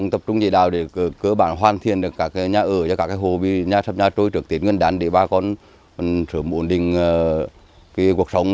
tập trung dạy đào để cơ bản hoàn thiện được các nhà ở và các hồ bị sập nhà trôi trước tiến nguyên đán để bà con sửa mộn đình cuộc sống